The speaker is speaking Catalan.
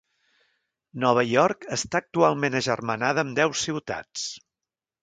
Nova York està actualment agermanada amb deu ciutats.